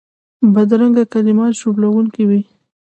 بدرنګه کلمات ژوبلونکي وي